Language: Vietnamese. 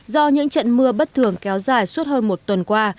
do những trận mưa bất thường kéo dài suốt hơn một tuần qua